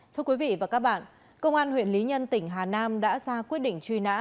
thưa quý vị và các bạn công an huyện lý nhân tỉnh hà nam đã ra quyết định truy nã